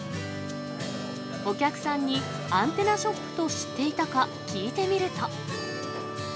お客さんにアンテナショップと知っていたか聞いてみると。